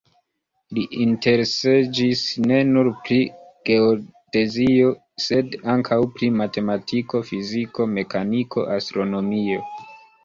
Li interesiĝis ne nur pri geodezio, sed ankaŭ pri matematiko, fiziko, mekaniko, astronomio.